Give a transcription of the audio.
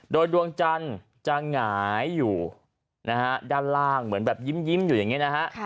โดยดวงจันทร์จะหงายอยู่นะฮะด้านล่างเหมือนแบบยิ้มอยู่อย่างนี้นะฮะ